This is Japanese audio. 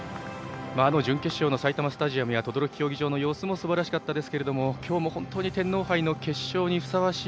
準決勝の埼玉スタジアムや等々力競技場の様子もすばらしかったですが今日も本当に天皇杯の決勝にふさわしい。